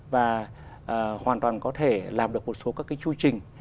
và hoàn toàn có thể làm được một số các chư trình